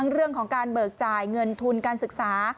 เรื่องของการเบิกจ่ายเงินทุนการศึกษา